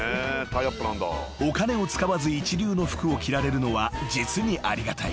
［お金を使わず一流の服を着られるのは実にありがたい。